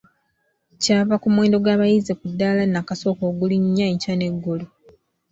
Kyava ku muwendo gw’abayizi ku ddaala nnakasooka ogulinnya enkya n’eggulo.